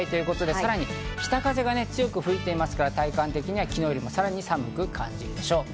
さらに北風が強く吹いていますから、体感的には昨日よりさらに寒く感じるでしょう。